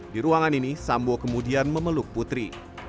di ruangan ini sambo kemudian memeluk putri